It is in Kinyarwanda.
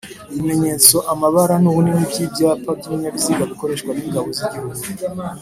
Ibimenyetso, amabara n’ubunini by’ibyapa by’ibinyabiziga bikoreshwa n’ Ingabo z’Igihugu